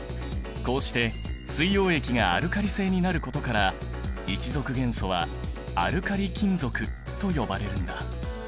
こうして水溶液がアルカリ性になることから１族元素はアルカリ金属と呼ばれるんだ。